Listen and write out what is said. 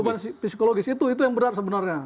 beban psikologis itu yang berat sebenarnya